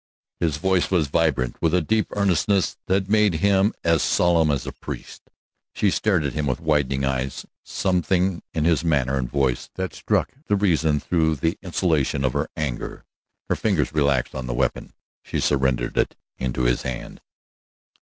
His voice was vibrant with a deep earnestness that made him as solemn as a priest. She stared at him with widening eyes, something in his manner and voice that struck to reason through the insulation of her anger. Her fingers relaxed on the weapon; she surrendered it into his hand.